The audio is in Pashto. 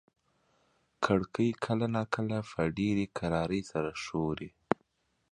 کړکۍ کله ناکله په ډېرې کرارۍ سره ښوري.